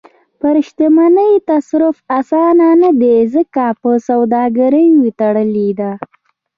پر شتمنۍ تصرف اسانه نه دی، ځکه په سوداګریو تړلې ده.